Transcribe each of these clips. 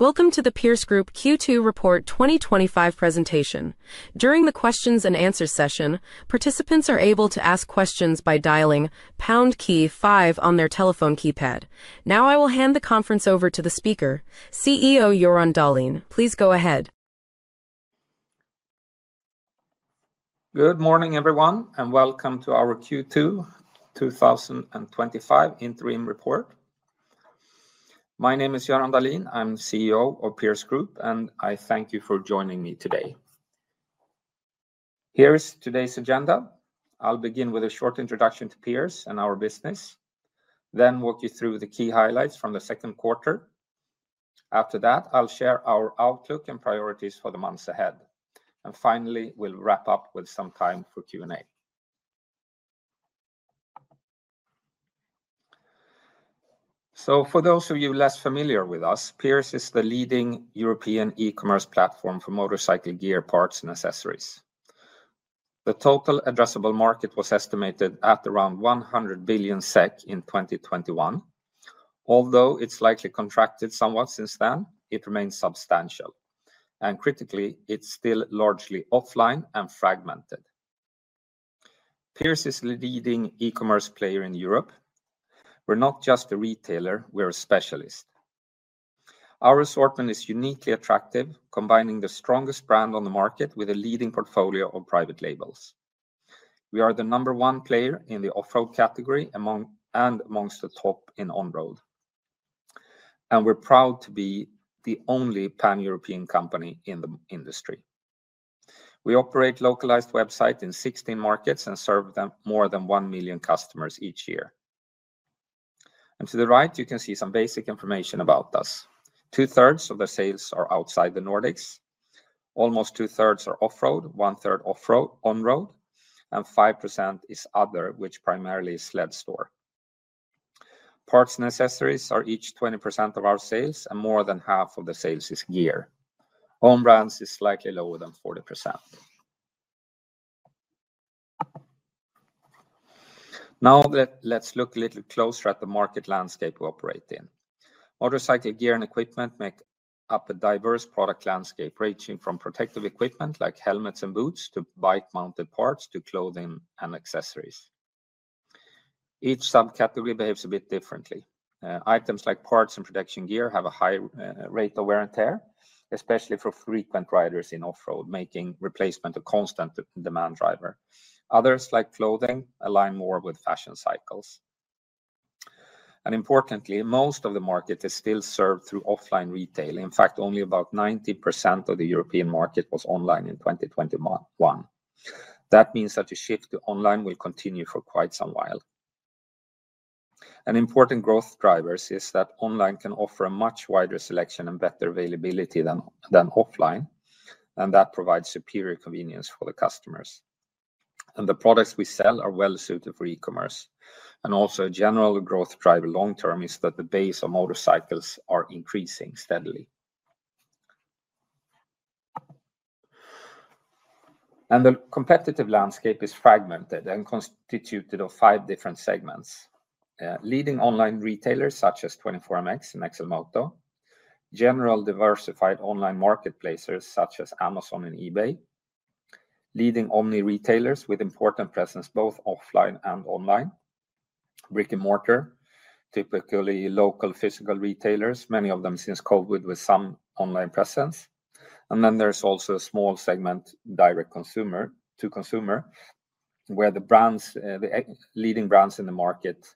Welcome to the Pierce Group Q2 Report 2025 Presentation. During the questions and answers session, participants are able to ask questions by dialing #KEY-5 on their telephone keypad. Now I will hand the conference over to the speaker, CEO Göran Dahlin. Please go ahead. Good morning, everyone, and welcome to our Q2 2025 Interim Report. My name is Göran Dahlin, I'm CEO of Pierce Group, and I thank you for joining me today. Here is today's agenda. I'll begin with a short introduction to Pierce and our business, then walk you through the key highlights from the second quarter. After that, I'll share our outlook and priorities for the months ahead. Finally, we'll wrap up with some time for Q&A. For those of you less familiar with us, Pierce is the leading European e-commerce platform for motorcycle gear, parts, and accessories. The total addressable market was estimated at around 100 billion SEK in 2021. Although it's likely contracted somewhat since then, it remains substantial. Critically, it's still largely offline and fragmented. Pierce is the leading e-commerce player in Europe. We're not just a retailer, we're a specialist. Our assortment is uniquely attractive, combining the strongest brand on the market with a leading portfolio of private labels. We are the number one player in the off-road category and amongst the top in on-road. We're proud to be the only pan-European company in the industry. We operate a localized website in 16 markets and serve more than 1 million customers each year. To the right, you can see some basic information about us. 2/3 of the sales are outside the Nordics. Almost two-thirds are off-road, one-third on-road, and 5% is other, which primarily is Sledstore. Parts and accessories are each 20% of our sales, and more than half of the sales is gear. Home brands are slightly lower than 40%. Now let's look a little closer at the market landscape we operate in. Motorcycle gear and equipment make up a diverse product landscape, ranging from protective equipment like helmets and boots to bike-mounted parts to clothing and accessories. Each subcategory behaves a bit differently. Items like parts and protection gear have a high rate of wear and tear, especially for frequent riders in off-road, making replacement a constant demand driver. Others, like clothing, align more with fashion cycles. Importantly, most of the market is still served through offline retail. In fact, only about 10% of the European market was online in 2021. That means that the shift to online will continue for quite some while. Important growth drivers are that online can offer a much wider selection and better availability than offline, which provides superior convenience for the customers. The products we sell are well suited for e-commerce. A general growth driver long-term is that the base of motorcycles is increasing steadily. The competitive landscape is fragmented and constituted of five different segments: leading online retailers such as 24MX and XLMOTO, general diversified online marketplaces such as Amazon and eBay, leading online retailers with important presence both offline and online, brick and mortar, typically local physical retailers, many of them since COVID with some online presence. There is also a small segment, direct to consumer, where the leading brands in the market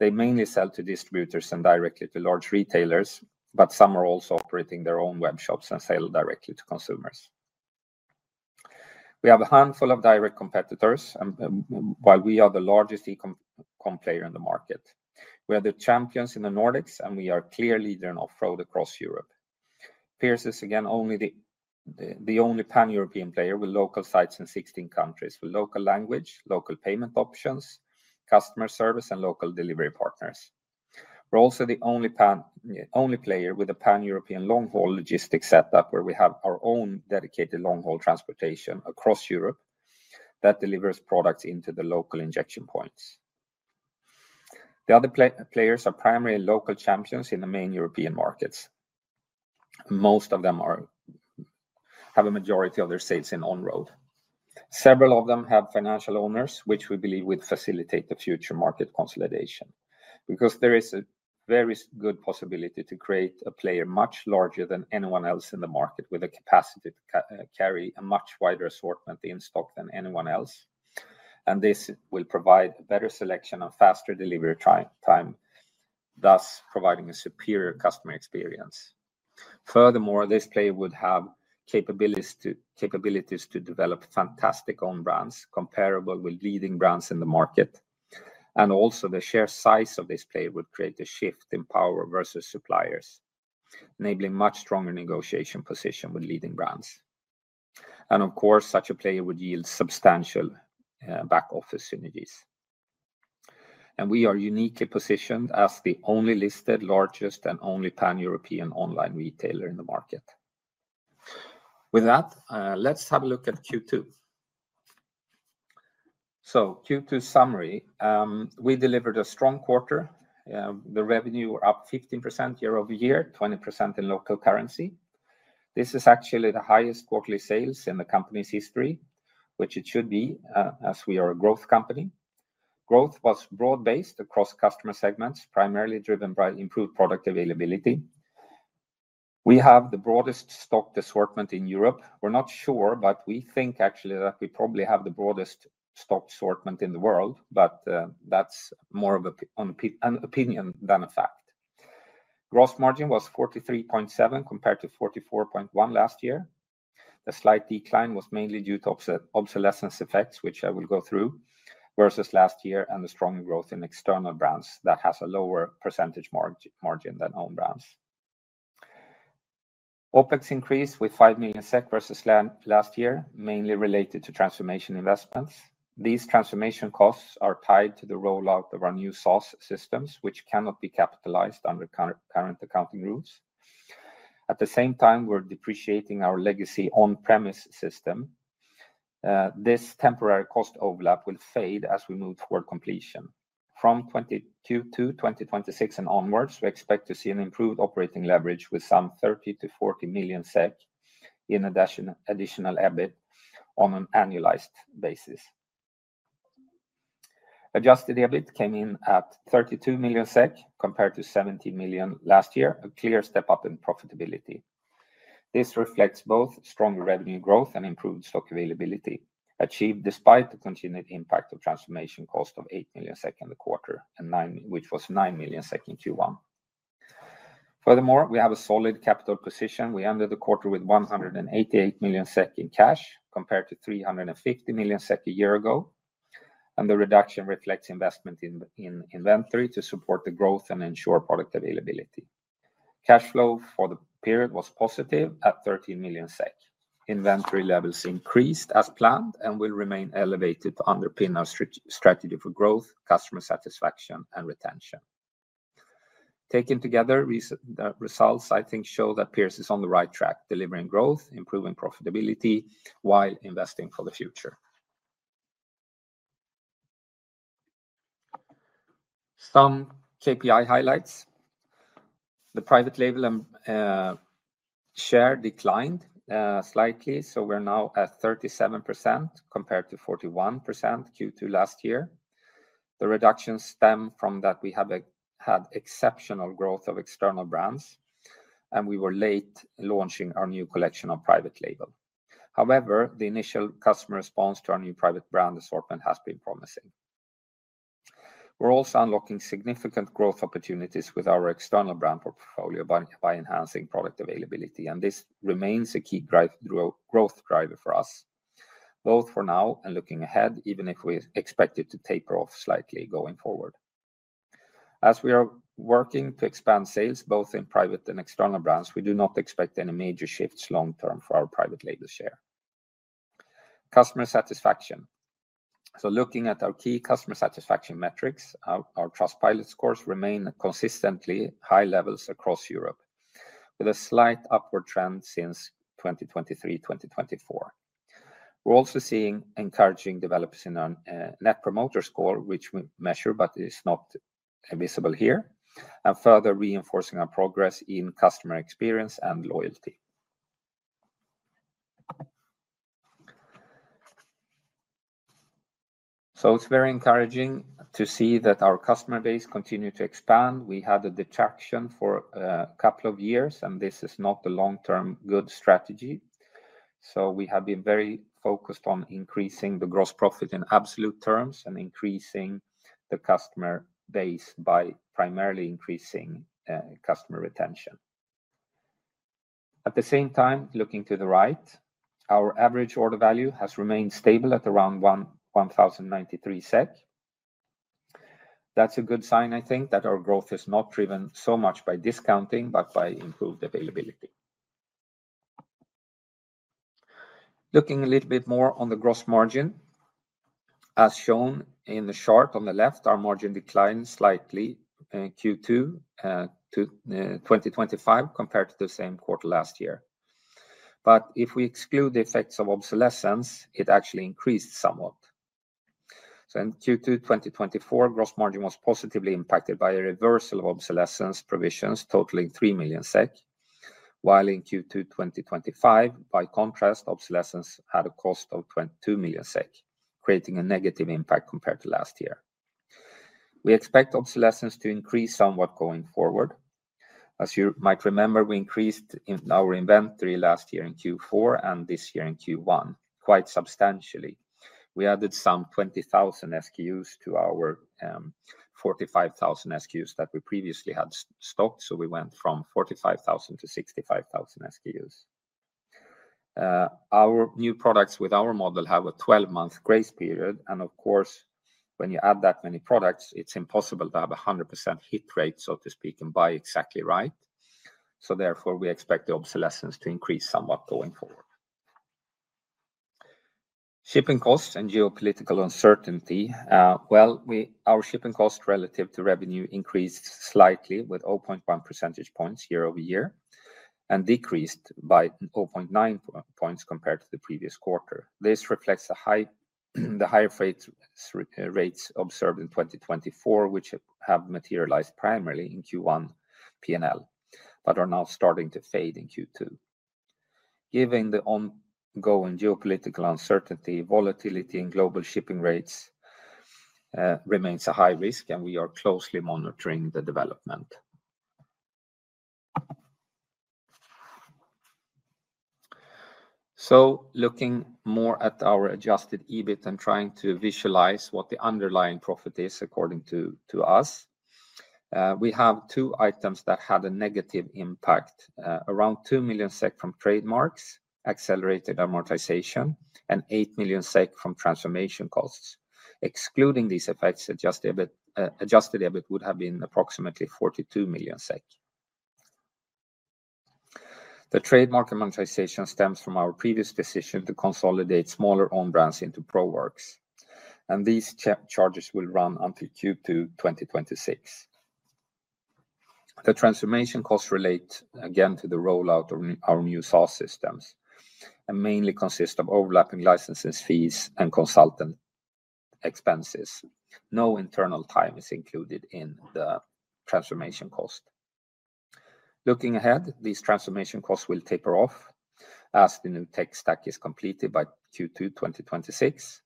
mainly sell to distributors and directly to large retailers, but some are also operating their own web shops and sell directly to consumers. We have a handful of direct competitors, and while we are the largest e-com player in the market, we are the champions in the Nordics, and we are a clear leader in off-road across Europe. Pierce is again the only pan-European player with local sites in 16 countries, with local language, local payment options, customer service, and local delivery partners. We are also the only player with a pan-European long-haul logistics setup where we have our own dedicated long-haul transportation across Europe that delivers products into the local injection points. The other players are primarily local champions in the main European markets. Most of them have a majority of their sales in on-road. Several of them have financial owners, which we believe will facilitate the future market consolidation. There is a very good possibility to create a player much larger than anyone else in the market with the capacity to carry a much wider assortment in stock than anyone else. This will provide a better selection and faster delivery time, thus providing a superior customer experience. Furthermore, this player would have capabilities to develop fantastic own brands comparable with leading brands in the market. The sheer size of this player would create a shift in power versus suppliers, enabling a much stronger negotiation position with leading brands. Such a player would yield substantial back-office unities. We are uniquely positioned as the only listed, largest, and only pan-European online retailer in the market. With that, let's have a look at Q2. Q2 summary: we delivered a strong quarter. The revenue was up 15% year-over-year, 20% in local currency. This is actually the highest quarterly sales in the company's history, which it should be as we are a growth company. Growth was broad-based across customer segments, primarily driven by improved product availability. We have the broadest stock assortment in Europe. We're not sure, but we think actually that we probably have the broadest stock assortment in the world, but that's more of an opinion than a fact. Gross margin was 43.7% compared to 44.1% last year. A slight decline was mainly due to obsolescence effects, which I will go through, versus last year and the strong growth in external brands that have a lower percentage margin than own brands. OpEx increased with 5 million SEK versus last year, mainly related to transformation investments. These transformation costs are tied to the rollout of our new SaaS-based IT systems, which cannot be capitalized under current accounting rules. At the same time, we're depreciating our legacy on-premise system. This temporary cost overlap will fade as we move toward completion. From Q2 2026 and onwards, we expect to see an improved operating leverage with some 30-40 million SEK in additional EBIT on an annualized basis. Adjusted EBIT came in at 32 million SEK compared to 17 million last year, a clear step up in profitability. This reflects both strong revenue growth and improved stock availability, achieved despite the continued impact of transformation cost of 8 million in the quarter, which was 9 million in Q1. Furthermore, we have a solid capital position. We ended the quarter with 188 million SEK in cash compared to 350 million SEK a year ago. The reduction reflects investment in inventory to support the growth and ensure product availability. Cash flow for the period was positive at 13 million SEK. Inventory levels increased as planned and will remain elevated to underpin our strategy for growth, customer satisfaction, and retention. Taken together, these results, I think, show that Pierce is on the right track, delivering growth, improving profitability while investing for the future. Some KPI highlights: the private label share declined slightly, so we're now at 37% compared to 41% Q2 last year. The reduction stemmed from that we have had exceptional growth of external brands, and we were late launching our new collection on private label. However, the initial customer response to our new private label assortment has been promising. We're also unlocking significant growth opportunities with our external brand portfolio by enhancing product availability, and this remains a key growth driver for us, both for now and looking ahead, even if we expect it to taper off slightly going forward. As we are working to expand sales both in private and external brands, we do not expect any major shifts long-term for our private label share. Customer satisfaction. Looking at our key customer satisfaction metrics, our Trustpilot scores remain consistently high levels across Europe, with a slight upward trend since 2023-2024. We're also seeing encouraging developments in our Net Promoter Score, which we measure but is not visible here, further reinforcing our progress in customer experience and loyalty. It's very encouraging to see that our customer base continues to expand. We had a detraction for a couple of years, and this is not a long-term good strategy. We have been very focused on increasing the gross profit in absolute terms and increasing the customer base by primarily increasing customer retention. At the same time, looking to the right, our average order value has remained stable at around 1,093 SEK. That's a good sign, I think, that our growth is not driven so much by discounting but by improved availability. Looking a little bit more on the gross margin, as shown in the chart on the left, our margin declined slightly in Q2 2025 compared to the same quarter last year. If we exclude the effects of obsolescence, it actually increased somewhat. In Q2 2024, gross margin was positively impacted by a reversal of obsolescence provisions totaling 3 million SEK, while in Q2 2025, by contrast, obsolescence had a cost of 2 million SEK, creating a negative impact compared to last year. We expect obsolescence to increase somewhat going forward. As you might remember, we increased our inventory last year in Q4 and this year in Q1 quite substantially. We added some 20,000 SKUs to our 45,000 SKUs that we previously had stocked, so we went from 45,000-65,000 SKUs. Our new products with our model have a 12-month grace period, and of course, when you add that many products, it's impossible to have a 100% hit rate, so to speak, and buy exactly right. Therefore, we expect the obsolescence to increase somewhat going forward. Shipping costs and geopolitical uncertainty. Our shipping costs relative to revenue increased slightly with 0.1 percentage points year-over-year and decreased by 0.9 percentage points compared to the previous quarter. This reflects the higher freight rates observed in 2024, which have materialized primarily in Q1 P&L but are now starting to fade in Q2. Given the ongoing geopolitical uncertainty, volatility in global shipping rates remains a high risk, and we are closely monitoring the development. Looking more at our adjusted EBIT and trying to visualize what the underlying profit is according to us, we have two items that had a negative impact: around 2 million SEK from trademarks, accelerated amortization, and 8 million SEK from transformation costs. Excluding these effects, adjusted EBIT would have been approximately 42 million SEK. The trademark amortization stems from our previous decision to consolidate smaller own brands into ProWorks, and these charges will run until Q2 2026. The transformation costs relate again to the rollout of our new SaaS systems and mainly consist of overlapping licensing fees and consultant expenses. No internal time is included in the transformation cost. Looking ahead, these transformation costs will taper off as the new tech stack is completed by Q2 2026.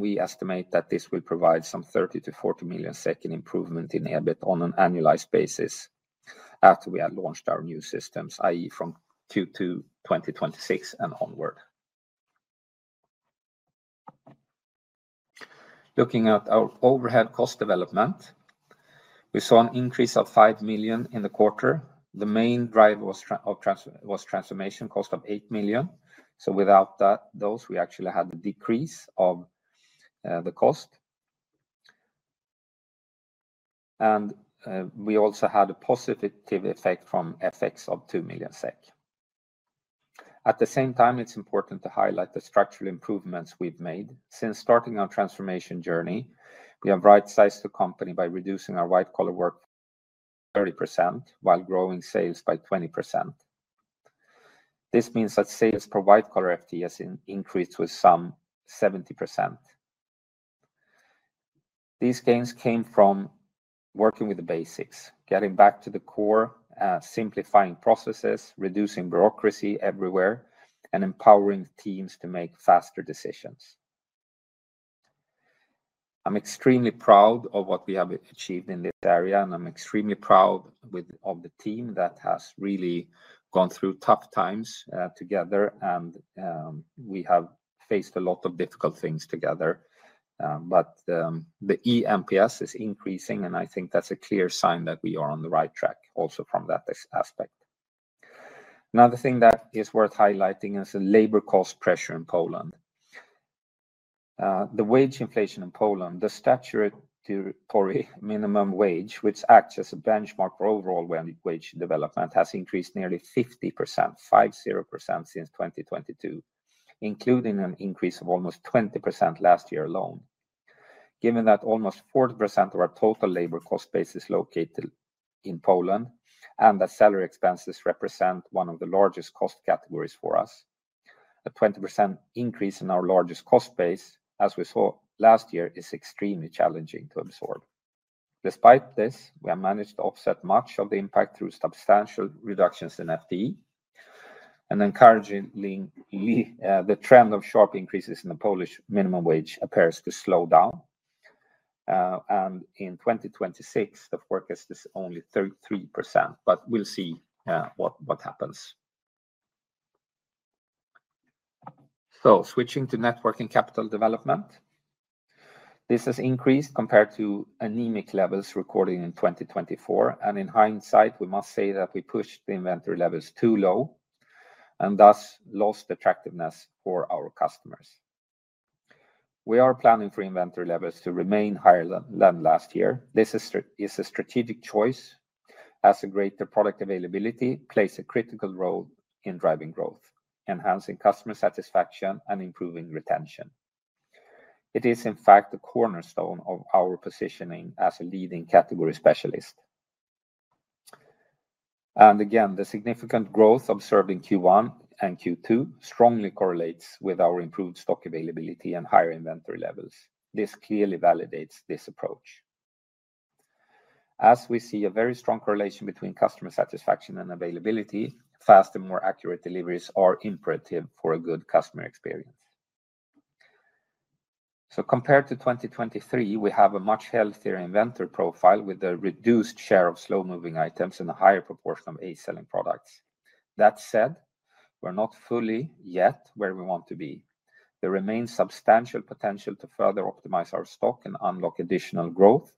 We estimate that this will provide some 30-40 million in improvement in EBIT on an annualized basis after we have launched our new systems, i.e., from Q2 2026 and onward. Looking at our overhead cost development, we saw an increase of 5 million in the quarter. The main driver was transformation cost of 8 million. Without those, we actually had a decrease of the cost. We also had a positive effect from FX of 2 million SEK. At the same time, it's important to highlight the structural improvements we've made. Since starting our transformation journey, we have right-sized the company by reducing our white-collar work 30% while growing sales by 20%. This means that sales for white-collar FTEs increased with some 70%. These gains came from working with the basics, getting back to the core, simplifying processes, reducing bureaucracy everywhere, and empowering teams to make faster decisions. I'm extremely proud of what we have achieved in this area, and I'm extremely proud of the team that has really gone through tough times together. We have faced a lot of difficult things together. The EMPS is increasing, and I think that's a clear sign that we are on the right track also from that aspect. Another thing that is worth highlighting is the labor cost pressure in Poland. The wage inflation in Poland, the statutory minimum wage, which acts as a benchmark for overall wage development, has increased nearly 50% since 2022, including an increase of almost 20% last year alone. Given that almost 40% of our total labor cost base is located in Poland and that salary expenses represent one of the largest cost categories for us, a 20% increase in our largest cost base, as we saw last year, is extremely challenging to absorb. Despite this, we have managed to offset much of the impact through substantial reductions in FTE. Encouragingly, the trend of sharp increases in the Polish minimum wage appears to slow down. In 2026, the forecast is only 33%, but we'll see what happens. Switching to network and capital development, this has increased compared to anemic levels recorded in 2024. In hindsight, we must say that we pushed the inventory levels too low and thus lost attractiveness for our customers. We are planning for inventory levels to remain higher than last year. This is a strategic choice as greater product availability plays a critical role in driving growth, enhancing customer satisfaction, and improving retention. It is, in fact, the cornerstone of our positioning as a leading category specialist. The significant growth observed in Q1 and Q2 strongly correlates with our improved stock availability and higher inventory levels. This clearly validates this approach. We see a very strong correlation between customer satisfaction and availability. Faster, more accurate deliveries are imperative for a good customer experience. Compared to 2023, we have a much healthier inventory profile with a reduced share of slow-moving items and a higher proportion of selling products. That said, we're not fully yet where we want to be. There remains substantial potential to further optimize our stock and unlock additional growth,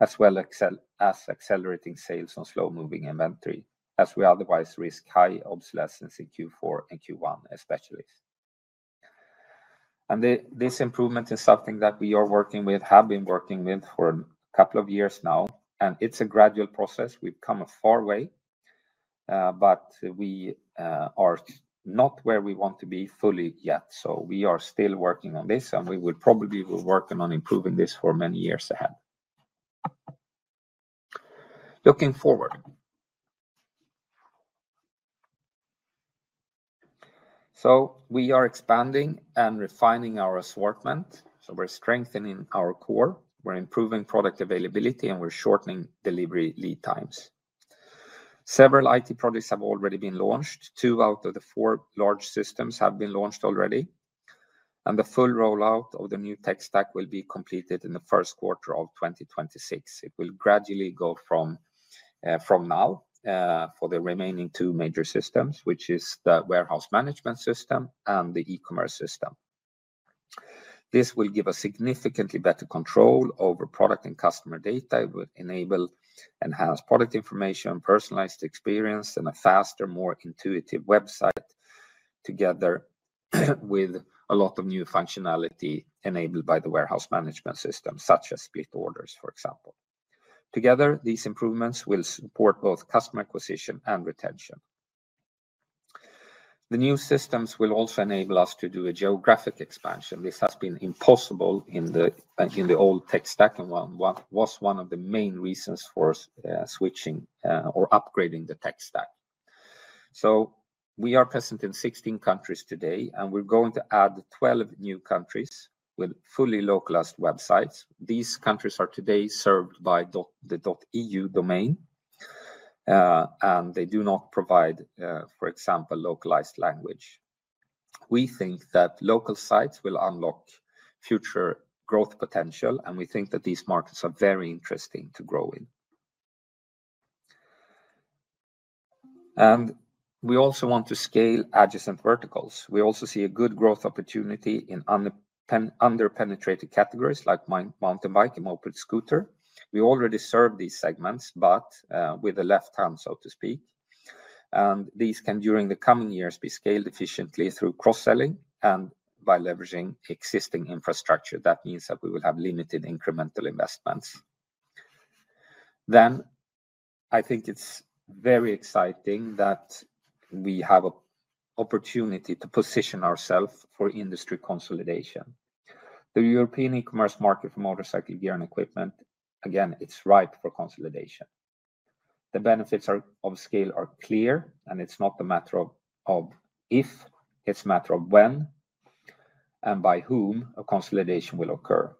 as well as accelerating sales on slow-moving inventory, as we otherwise risk high obsolescence in Q4 and Q1, especially. This improvement is something that we are working with, have been working with for a couple of years now. It is a gradual process. We've come a far way, but we are not where we want to be fully yet. We are still working on this, and we will probably be working on improving this for many years ahead. Looking forward, we are expanding and refining our assortment. We're strengthening our core, we're improving product availability, and we're shortening delivery lead times. Several IT products have already been launched. 2/4 large systems have been launched already. The full rollout of the new tech stack will be completed in the first quarter of 2026. It will gradually go from now for the remaining two major systems, which are the warehouse management system and the e-commerce system. This will give us significantly better control over product and customer data. It would enable enhanced product information, personalized experience, and a faster, more intuitive website together with a lot of new functionality enabled by the warehouse management system, such as split orders, for example. Together, these improvements will support both customer acquisition and retention. The new systems will also enable us to do a geographic expansion. This has been impossible in the old tech stack and was one of the main reasons for us switching or upgrading the tech stack. We are present in 16 countries today, and we're going to add 12 new countries with fully localized websites. These countries are today served by the .eu domain, and they do not provide, for example, localized language. We think that local sites will unlock future growth potential, and we think that these markets are very interesting to grow in. We also want to scale adjacent verticals. We also see a good growth opportunity in underpenetrated categories like mountain bike and mobile scooter. We already serve these segments, but with a left hand, so to speak. These can, during the coming years, be scaled efficiently through cross-selling and by leveraging existing infrastructure. That means that we will have limited incremental investments. I think it's very exciting that we have an opportunity to position ourselves for industry consolidation. The European e-commerce market for motorcycle gear and equipment, again, it's ripe for consolidation. The benefits of scale are clear, and it's not a matter of if, it's a matter of when and by whom a consolidation will occur.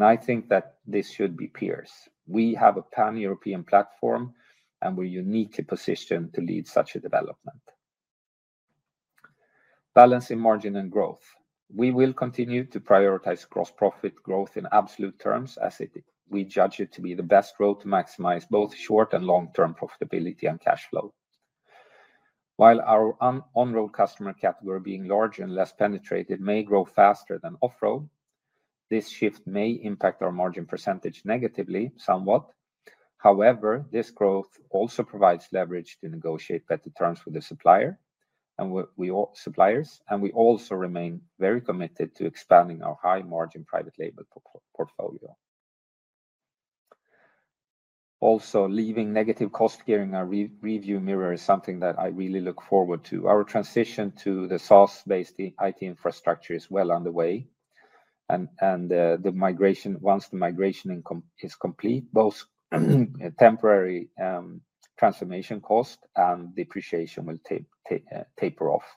I think that this should be peers. We have a pan-European platform, and we're uniquely positioned to lead such a development. Balancing margin and growth, we will continue to prioritize gross profit growth in absolute terms as we judge it to be the best road to maximize both short and long-term profitability and cash flow. While our on-road customer category, being larger and less penetrated, may grow faster than off-road, this shift may impact our margin % negatively somewhat. However, this growth also provides leverage to negotiate better terms with the suppliers, and we also remain very committed to expanding our high-margin private label portfolio. Also, leaving negative cost gear in our rearview mirror is something that I really look forward to. Our transition to the SaaS-based IT infrastructure is well underway. Once the migration is complete, both temporary transformation cost and depreciation will taper off.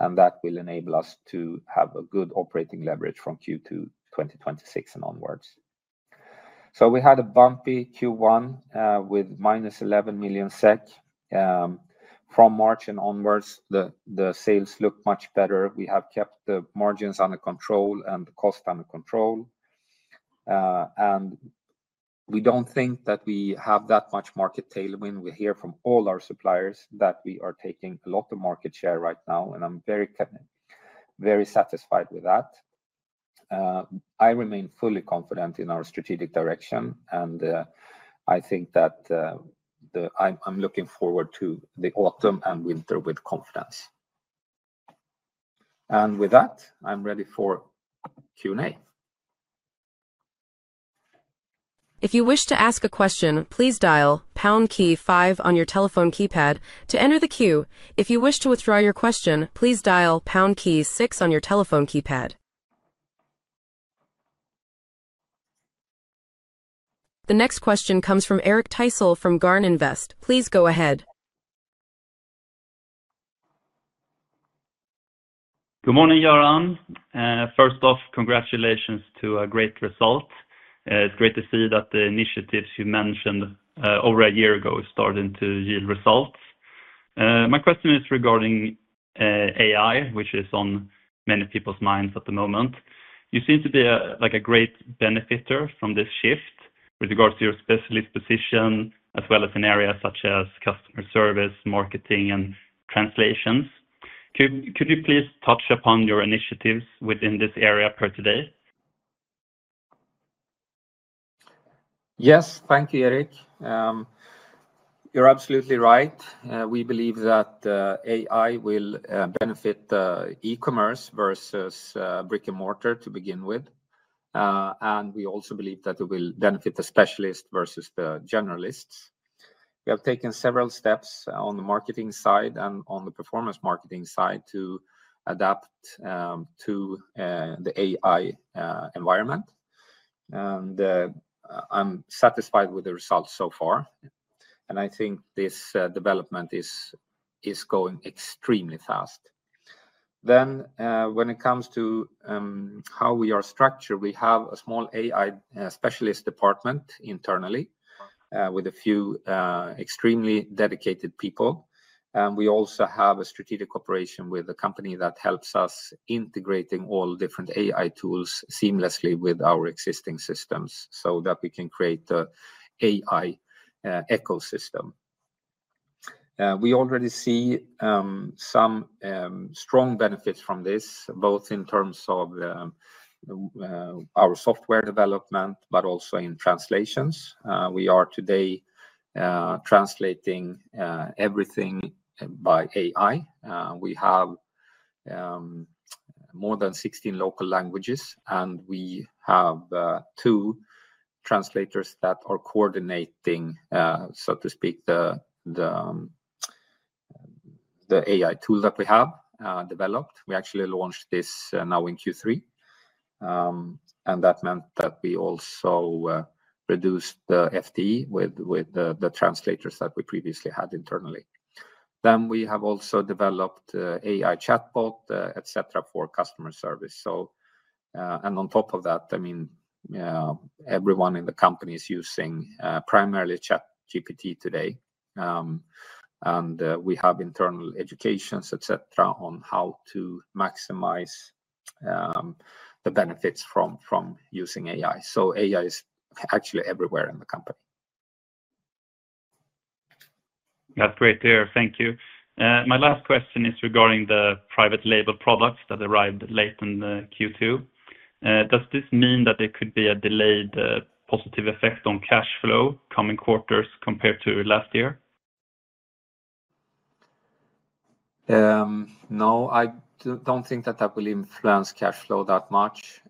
That will enable us to have good operating leverage from Q2 2026 and onwards. We had a bumpy Q1 with -11 million SEK. From March and onwards, the sales look much better. We have kept the margins under control and the cost under control. We don't think that we have that much market tailwind. We hear from all our suppliers that we are taking a lot of market share right now, and I'm very satisfied with that. I remain fully confident in our strategic direction, and I think that I'm looking forward to the autumn and winter with confidence. With that, I'm ready for Q&A. If you wish to ask a question, please dial #KEY-5 on your telephone keypad to enter the queue. If you wish to withdraw your question, please dial #KEY-6 on your telephone keypad. The next question comes from Eric Thysell from Garn Invest. Please go ahead. Good morning, Göran. First off, congratulations to a great result. It's great to see that the initiatives you mentioned over a year ago are starting to yield results. My question is regarding AI, which is on many people's minds at the moment. You seem to be like a great benefiter from this shift with regards to your specialist position, as well as in areas such as customer service, marketing, and translations. Could you please touch upon your initiatives within this area per today? Yes, thank you, Eric. You're absolutely right. We believe that AI will benefit e-commerce versus brick and mortar to begin with. We also believe that it will benefit the specialists versus the generalists. We have taken several steps on the marketing side and on the performance marketing side to adapt to the AI environment. I'm satisfied with the results so far. I think this development is going extremely fast. When it comes to how we are structured, we have a small AI specialist department internally with a few extremely dedicated people. We also have a strategic operation with a company that helps us integrate all different AI tools seamlessly with our existing systems so that we can create the AI ecosystem. We already see some strong benefits from this, both in terms of our software development, but also in translations. We are today translating everything by AI. We have more than 16 local languages, and we have two translators that are coordinating, so to speak, the AI tool that we have developed. We actually launched this now in Q3. That meant that we also reduced the FTE with the translators that we previously had internally. We have also developed the AI chatbot, et cetera, for customer service. On top of that, I mean, everyone in the company is using primarily ChatGPT today. We have internal educations, et cetera, on how to maximize the benefits from using AI. AI is actually everywhere in the company. That's great to hear. Thank you. My last question is regarding the private label products that arrived late in Q2. Does this mean that there could be a delayed positive effect on cash flow coming quarters compared to last year? No, I don't think that that will influence cash flow that much.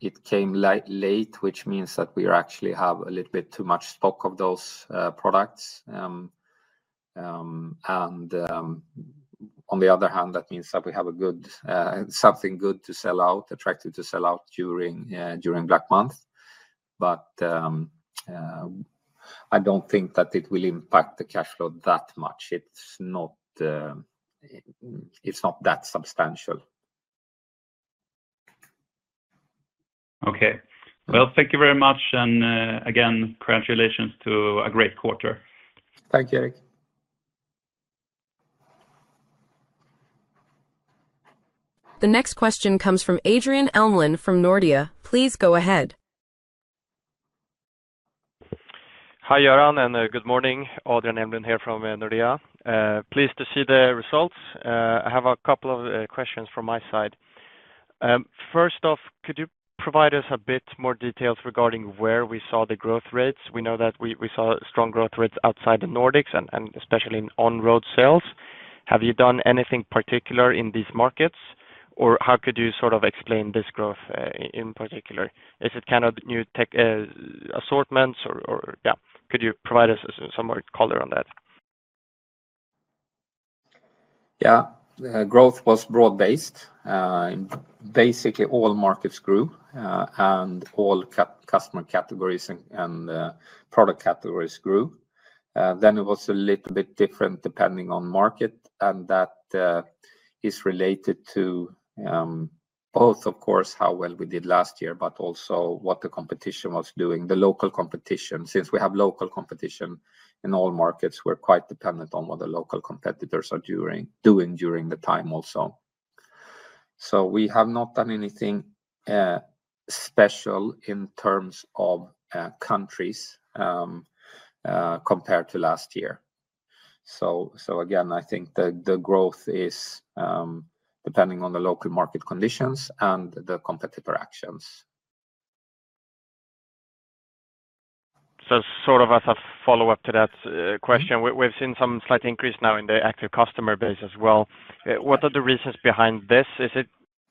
It came late, which means that we actually have a little bit too much stock of those products. On the other hand, that means that we have something good to sell out, attractive to sell out during Black Month. I don't think that it will impact the cash flow that much. It's not that substantial. Thank you very much. Again, congratulations to a great quarter. Thank you, Erik. The next question comes from Adrian Elmlund from Nordea. Please go ahead. Hi, Göran, and good morning. Adrian Elmlund here from Nordea. Pleased to see the results. I have a couple of questions from my side. First off, could you provide us a bit more details regarding where we saw the growth rates? We know that we saw strong growth rates outside the Nordics and especially in on-road sales. Have you done anything particular in these markets? How could you sort of explain this growth in particular? Is it kind of new tech assortments? Could you provide us some more color on that? Yeah, the growth was broad-based. Basically, all markets grew and all customer categories and product categories grew. It was a little bit different depending on the market, and that is related to both, of course, how well we did last year, but also what the competition was doing, the local competition. Since we have local competition in all markets, we're quite dependent on what the local competitors are doing during the time also. We have not done anything special in terms of countries compared to last year. I think the growth is depending on the local market conditions and the competitor actions. As a follow-up to that question, we've seen some slight increase now in the active customer base as well. What are the reasons behind this?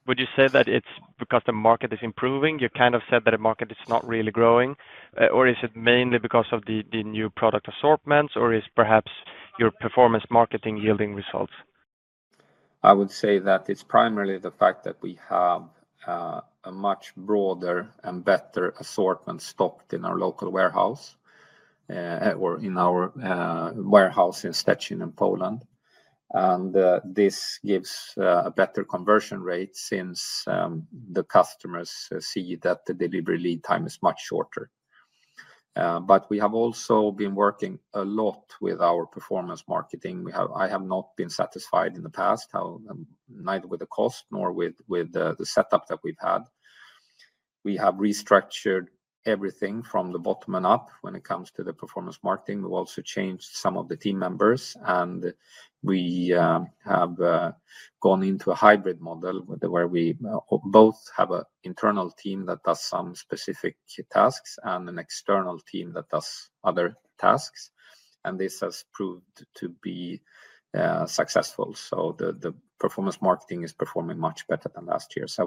Would you say that it's because the market is improving? You kind of said that the market is not really growing. Is it mainly because of the new product assortments? Or is perhaps your performance marketing yielding results? I would say that it's primarily the fact that we have a much broader and better assortment stocked in our local warehouse or in our warehouse in Szczecin in Poland. This gives a better conversion rate since the customers see that the delivery lead time is much shorter. We have also been working a lot with our performance marketing. I have not been satisfied in the past, neither with the cost nor with the setup that we've had. We have restructured everything from the bottom and up when it comes to the performance marketing. We've also changed some of the team members. We have gone into a hybrid model where we both have an internal team that does some specific tasks and an external team that does other tasks. This has proved to be successful. The performance marketing is performing much better than last year. I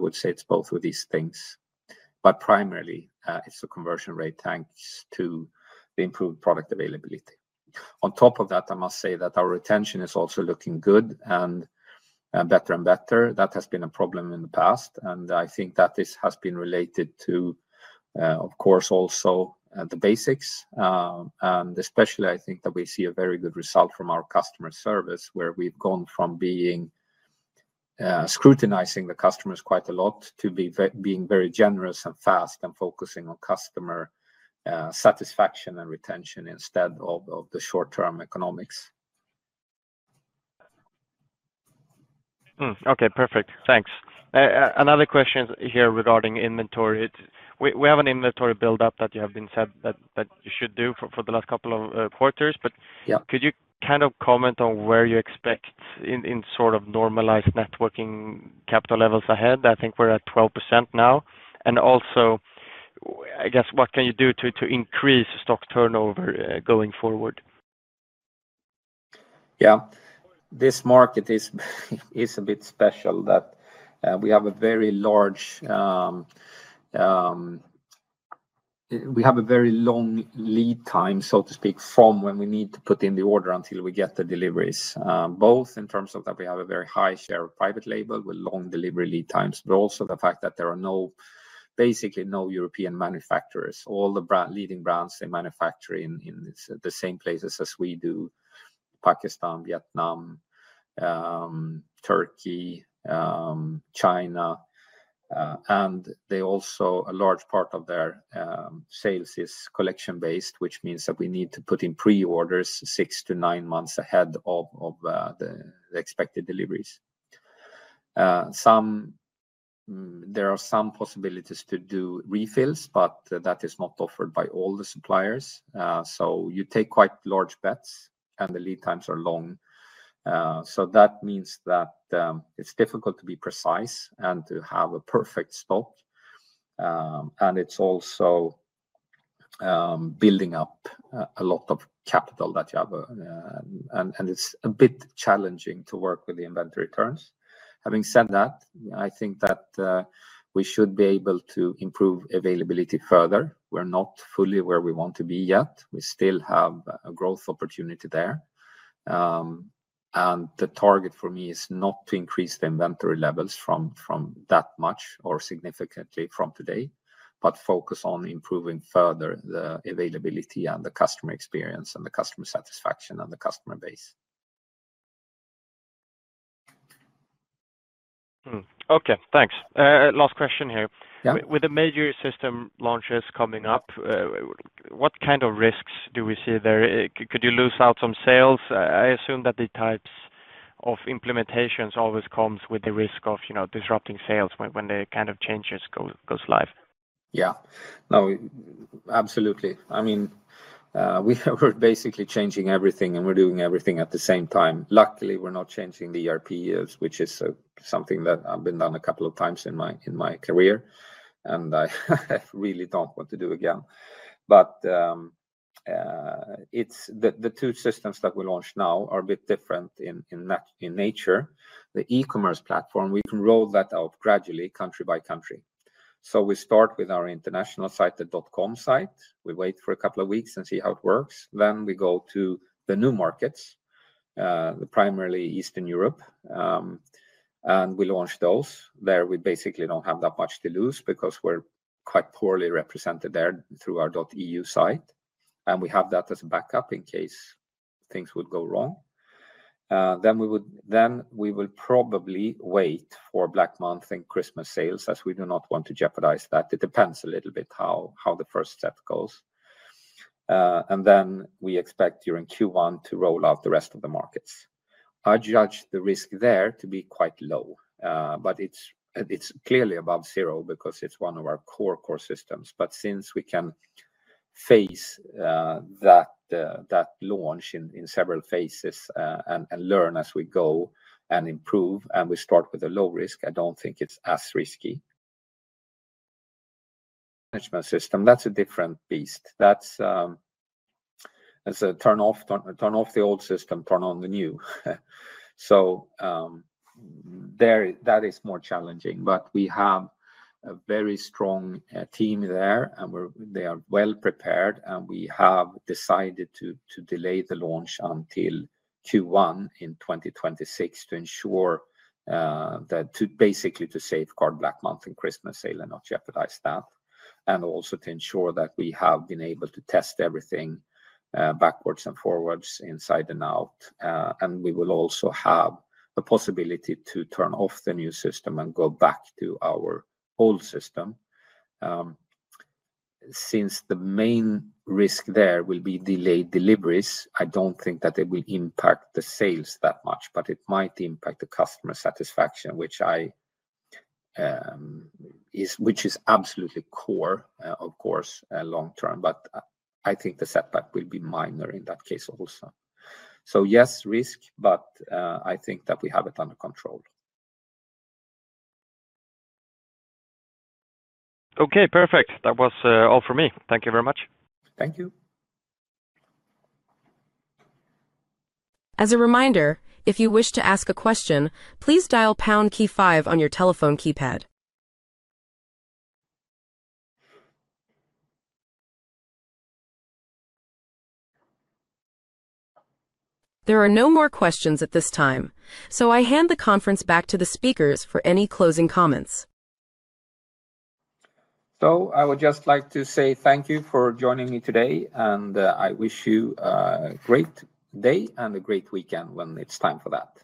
would say it's both of these things. Primarily, it's a conversion rate thanks to the improved product availability. On top of that, I must say that our retention is also looking good and better and better. That has been a problem in the past. I think that this has been related to, of course, also the basics. Especially, I think that we see a very good result from our customer service, where we've gone from scrutinizing the customers quite a lot to being very generous and fast and focusing on customer satisfaction and retention instead of the short-term economics. Okay, perfect. Thanks. Another question here regarding inventory. We have an inventory buildup that you have said that you should do for the last couple of quarters. Could you comment on where you expect in sort of normalized net working capital levels ahead? I think we're at 12% now. Also, what can you do to increase stock turnover going forward? Yeah, this market is a bit special in that we have a very long lead time, so to speak, from when we need to put in the order until we get the deliveries. Both in terms of that we have a very high share of private label with long delivery lead times, but also the fact that there are basically no European manufacturers. All the leading brands manufacture in the same places as we do: Pakistan, Vietnam, Turkey, China. A large part of their sales is collection-based, which means that we need to put in pre-orders six to nine months ahead of the expected deliveries. There are some possibilities to do refills, but that is not offered by all the suppliers. You take quite large bets, and the lead times are long. That means that it's difficult to be precise and to have a perfect stock. It's also building up a lot of capital that you have, and it's a bit challenging to work with the inventory currents. Having said that, I think that we should be able to improve availability further. We're not fully where we want to be yet. We still have a growth opportunity there. The target for me is not to increase the inventory levels that much or significantly from today, but focus on improving further the availability and the customer experience and the customer satisfaction and the customer base. Okay, thanks. Last question here. With the major system launches coming up, what kind of risks do we see there? Could you lose out on sales? I assume that the types of implementations always come with a risk of disrupting sales when the kind of changes go live. Yeah, no, absolutely. I mean, we're basically changing everything, and we're doing everything at the same time. Luckily, we're not changing the ERP years, which is something that I've been done a couple of times in my career. I really don't want to do it again. The two systems that we launched now are a bit different in nature. The e-commerce platform, we can roll that out gradually country by country. We start with our international site, the .com site. We wait for a couple of weeks and see how it works. We go to the new markets, primarily Eastern Europe, and we launch those. There, we basically don't have that much to lose because we're quite poorly represented there through our .eu site, and we have that as a backup in case things would go wrong. We will probably wait for Black Month and Christmas sales as we do not want to jeopardize that. It depends a little bit how the first set goes. We expect during Q1 to roll out the rest of the markets. I judge the risk there to be quite low, but it's clearly above zero because it's one of our core core systems. Since we can phase that launch in several phases and learn as we go and improve, and we start with a low risk, I don't think it's as risky. Management system, that's a different beast. That's a turn off the old system, turn on the new. That is more challenging. We have a very strong team there, and they are well prepared. We have decided to delay the launch until Q1 in 2026 to ensure that basically to safeguard Black Month and Christmas sale and not jeopardize that, and also to ensure that we have been able to test everything backwards and forwards, inside and out. We will also have the possibility to turn off the new system and go back to our old system. Since the main risk there will be delayed deliveries, I don't think that it will impact the sales that much, but it might impact the customer satisfaction, which is absolutely core, of course, long term. I think the setback will be minor in that case also. Yes, risk, but I think that we have it under control. Okay, perfect. That was all for me. Thank you very much. Thank you. As a reminder, if you wish to ask a question, please dial #KEY-5 on your telephone keypad. There are no more questions at this time. I hand the conference back to the speakers for any closing comments. I would just like to say thank you for joining me today, and I wish you a great day and a great weekend when it's time for that. Thank you.